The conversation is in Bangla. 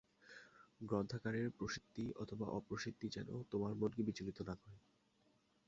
গ্রন্থকারের প্রসিদ্ধি অথবা অপ্রসিদ্ধি যেন তোমার মনকে বিচলিত না করে।